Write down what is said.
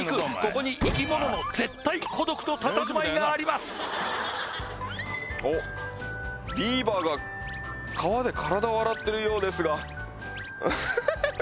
ここに生き物の絶対孤独とたたずまいがありますおっビーバーが川で体を洗ってるようですがウフフフフ